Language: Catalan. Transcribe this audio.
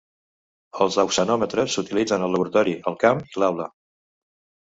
Els auxanòmetres s'utilitzen al laboratori, el camp i l'aula.